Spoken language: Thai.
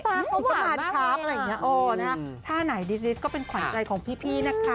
อุปทานครับอะไรอย่างเงี้เออนะคะท่าไหนดีก็เป็นขวัญใจของพี่นะคะ